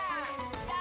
satu dua tiga